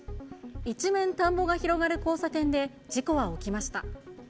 一面田んぼが広がる交差点で、事故は起きました。